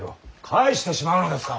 帰してしまうのですか。